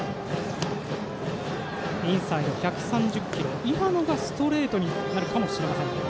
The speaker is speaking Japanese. １３０キロ、今のがストレートになるかもしれません。